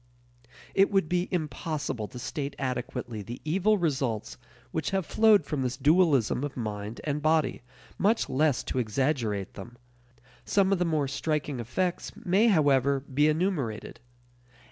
It would be impossible to state adequately the evil results which have flowed from this dualism of mind and body, much less to exaggerate them. Some of the more striking effects, may, however, be enumerated.